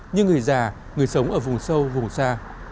như người già người sống ở vùng sâu vùng xa